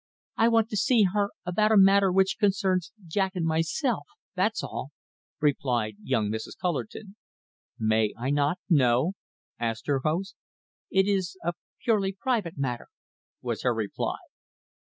"I want to see her about a matter which concerns Jack and myself that's all," replied young Mrs. Cullerton. "May I not know?" asked her host. "It is a purely private matter," was her reply.